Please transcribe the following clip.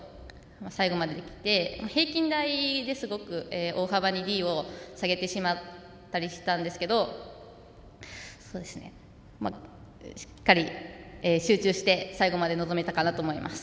最後まで行って、平均台ですごく大幅にＤを下げてしまったりしたんですけどしっかり集中して最後まで臨めたかなと思います。